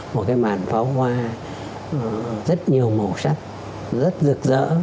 một cái màn pháo hoa rất nhiều màu sắc rất rực rỡ